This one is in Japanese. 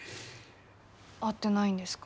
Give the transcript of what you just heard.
会ってないんですか？